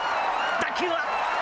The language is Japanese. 打球は。